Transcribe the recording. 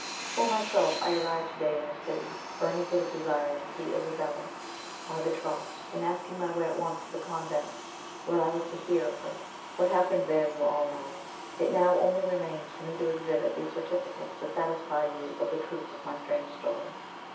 For myself, I arrived to day in this city, burning with desire to see Isabella, my betrothed, and asked my way at once to the convent, where I was to hear of her. What happened there you all know. It now only remains for me to exhibit these certificates to satisfy you of the truth of my strange story."